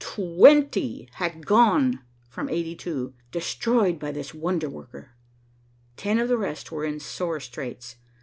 Twenty had gone from eighty two, destroyed by this wonder worker. Ten of the rest were in sore straits.